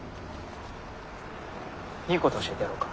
いいこと教えてやろうか？